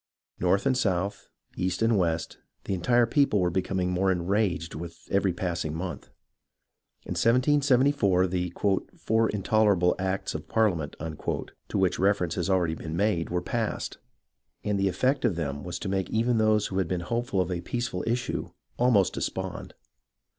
North and south, east and west, the entire people were becoming more enraged with every passing month. In 1774, the "four intolerable acts of Parliament," to which reference has already been made, were passed ; and the effect of them was to make even those who had been hopeful of a peaceful issue, almost despond.